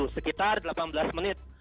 sekitar delapan belas menit